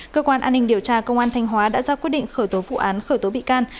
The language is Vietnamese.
cơ quan an ninh điều tra công an thanh hóa đã ra quyết định khởi tố vụ án khởi tố bị can